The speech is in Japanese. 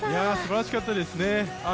すばらしかったですね。